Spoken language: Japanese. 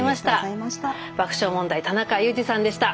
爆笑問題田中裕二さんでした。